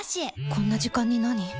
こんな時間になに？